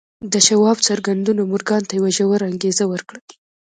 د شواب څرګندونو مورګان ته یوه ژوره انګېزه ورکړه